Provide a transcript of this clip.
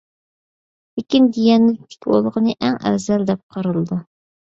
لېكىن دىيانەتلىك بولغىنى ئەڭ ئەۋزەل دەپ قارىلىدۇ.